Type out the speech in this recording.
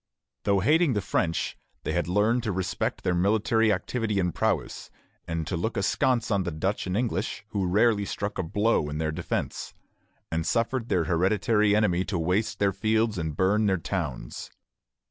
Though hating the French, they had learned to respect their military activity and prowess, and to look askance on the Dutch and English, who rarely struck a blow in their defence, and suffered their hereditary enemy to waste their fields and burn their towns.